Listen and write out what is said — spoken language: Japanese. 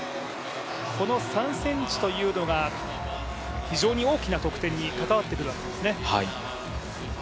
この３ｃｍというのが非常に大きな得点に関わってくるわけですね。